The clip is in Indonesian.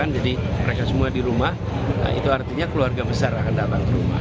jadi mereka semua di rumah itu artinya keluarga besar akan datang ke rumah